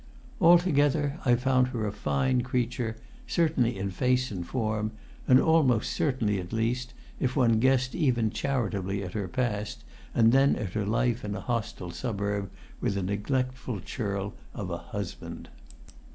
Altogether I found her a fine creature, certainly in face and form, and almost certainly at heart, if one guessed even charitably at her past, and then at her life in a hostile suburb with a neglectful churl of a husband.